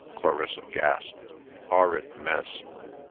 Clarissa gasped. "Horrid mess!"